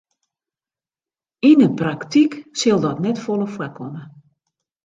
Yn 'e praktyk sil dat net folle foarkomme.